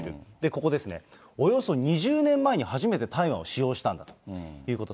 ここですね、およそ２０年前に初めて大麻を使用したんだということです。